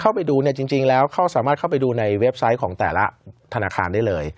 เข้าไปดูเนี่ยจริงแล้วเขาสามารถเข้าไปดูในเว็บไซต์ของแต่ละธนาคารได้เลย